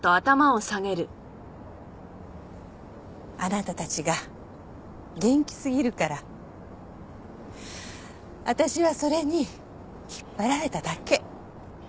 あなたたちが元気すぎるから私はそれに引っ張られただけ。